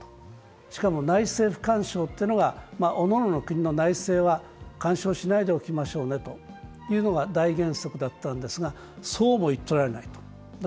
しかも、内政不干渉というのがおのおのの国の内政は干渉しないでおきましょうねというのが大原則だったんですが、そうも言っておられない。